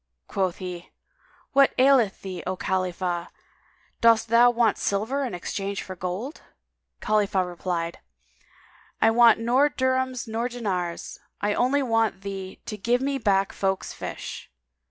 Quoth he, "What aileth thee, O Khalifah? Dost thou want silver in exchange for gold?" Khalifah replied, "I want nor dirhams nor dinars. I only want thee to give me back folk's fish."